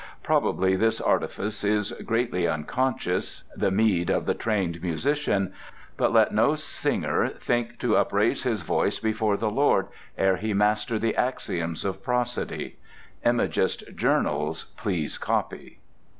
Probably this artifice is greatly unconscious, the meed of the trained musician; but let no singer think to upraise his voice before the Lord ere he master the axioms of prosody. Imagist journals please copy.